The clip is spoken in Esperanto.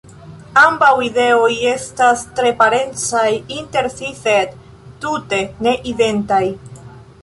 Ambaŭ ideoj estas tre parencaj inter si sed tute ne identaj.